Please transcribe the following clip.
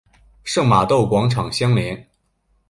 圣玛窦广场相连。